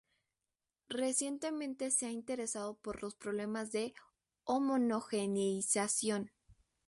Recientemente se ha interesado por los problemas de homogeneización.